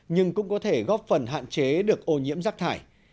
nhưng cũng có thể góp phần hạn chế được ô nhiễm rác thải